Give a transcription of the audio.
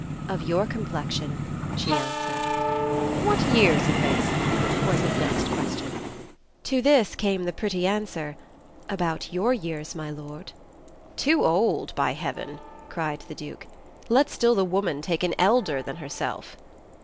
"Of your complexion," she answered. "What years, i' faith?" was his next question. To this came the pretty answer, "About your years, my lord. "Too old, by Heaven!" cried the Duke. "Let still the woman take an elder than herself."